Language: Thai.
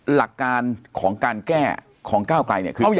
หลักการของการแก้ของก้าวไกลคือแก้อย่างไร